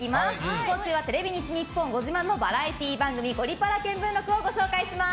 今週はテレビ西日本ご自慢のバラエティー番組「ゴリパラ見聞録」をご紹介します。